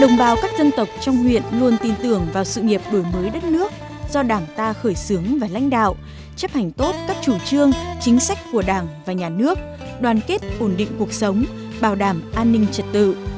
đồng bào các dân tộc trong huyện luôn tin tưởng vào sự nghiệp đổi mới đất nước do đảng ta khởi xướng và lãnh đạo chấp hành tốt các chủ trương chính sách của đảng và nhà nước đoàn kết ổn định cuộc sống bảo đảm an ninh trật tự